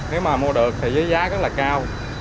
nếu mà mua được thì giá rất là cao